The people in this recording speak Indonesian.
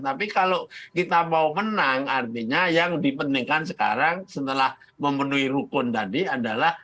tapi kalau kita mau menang artinya yang dipentingkan sekarang setelah memenuhi rukun tadi adalah